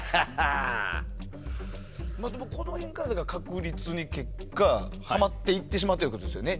この辺から確率にはまっていってしまうということですよね。